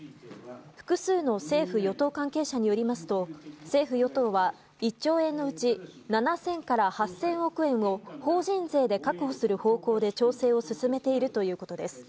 複数の政府・与党関係者によりますと政府・与党は１兆円のうち７０００から８０００億円を法人税で確保する方向で調整を進めているということです。